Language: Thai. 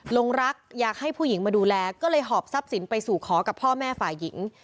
ลงรักอยากให้ผู้หญิงมาดูแลก็เลยหอบทรัพย์สินไปสู่ขอกับพ่อแม่ฝ่ายหญิง